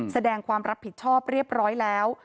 แสดงความรับผิดชอบเรียบร้อยแล้ว